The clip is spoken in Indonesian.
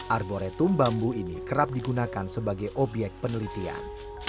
arboretum bambu ini kerap digunakan sebagai obyek penelitian